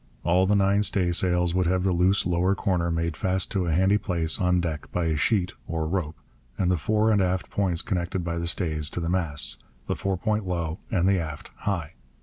All the nine staysails would have the loose lower corner made fast to a handy place on deck by a sheet (or rope) and the fore and aft points connected by the stays to the masts, the fore point low and the aft high.